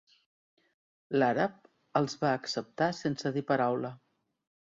L'àrab els va acceptar sense dir paraula.